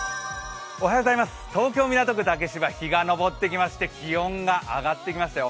東京・港区竹芝、日が昇ってきまして気温が上がってきましたよ。